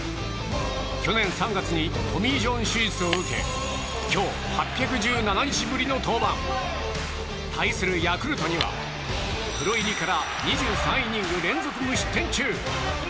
去年３月にトミー・ジョン手術を受け今日、８１７日ぶりの登板。対するヤクルトにはプロ入りから２３イニング連続無失点中。